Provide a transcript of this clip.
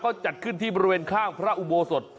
จะจัดขึ้นที่บริเวณข้างภรรษอุโมรสศ